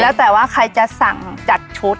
แล้วแต่ว่าใครจะสั่งจัดชุด